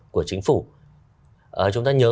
của chính phủ chúng ta nhớ